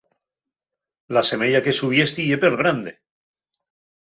La semeya que xubiesti ye pergrande.